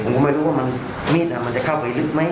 ผมก็ไม่รู้ว่ามันมีดอ่ะมันจะเข้าไปหรือไม่